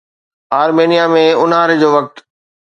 آرمينيا ۾ اونهاري جو وقت